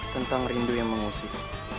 tentang rindu yang mengusik